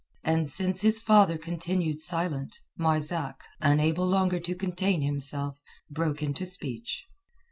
And since his father continued silent, Marzak, unable longer to contain himself, broke into speech.